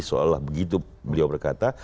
seolah olah begitu beliau berkata